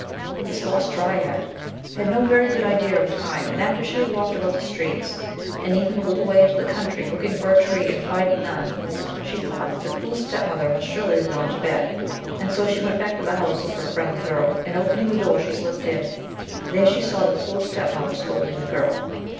This lost dryad had no very good idea of time and, after she had walked about the streets, and even a little way into the country, looking for a tree and finding none, she thought that the cruel step mother must surely have gone to bed, and so she went back to the house of her friend the girl, and opening the door she slipped in. There she saw the cruel step mother scolding the girl.